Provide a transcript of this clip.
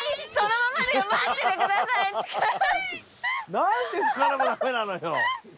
何で魚もダメなのよ。